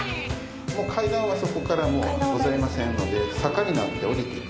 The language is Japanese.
階段はそこからございませんので坂になって下りていく。